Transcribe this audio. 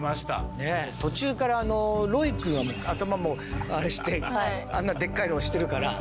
途中からロイ君は頭もあれしてあんなでっかいのしてるから。